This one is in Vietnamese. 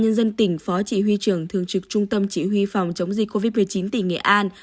nhân dân tỉnh phó chỉ huy trưởng thường trực trung tâm chỉ huy phòng chống dịch covid một mươi chín tỉnh nghệ an